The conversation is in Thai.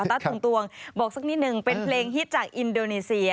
ตัสถุงตวงบอกสักนิดนึงเป็นเพลงฮิตจากอินโดนีเซีย